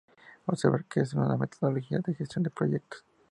Observar que no es una metodología de gestión de proyectos.